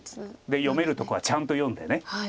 読めるとこはちゃんと読んで。